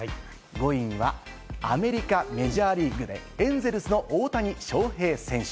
５位はアメリカ・メジャーリーグでエンゼルスの大谷翔平選手。